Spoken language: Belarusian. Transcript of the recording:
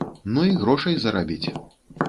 Ну і грошай зарабіць.